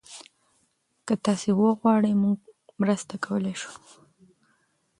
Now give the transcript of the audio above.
که تاسي وغواړئ، موږ مرسته کولی شو.